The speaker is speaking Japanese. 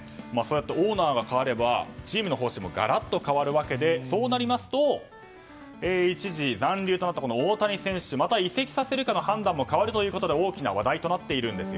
オーナーが代わればチームの方針もガラッと変わるわけでそうなりますと一時残留となった大谷選手また移籍させるかの判断も変わるということで大きく話題となっているんです。